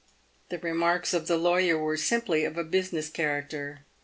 The remarks of the lawyer were simply of a business character.